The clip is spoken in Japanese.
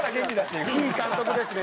いい監督ですねでもね。